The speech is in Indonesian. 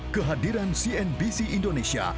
kehadiran cnbc indonesia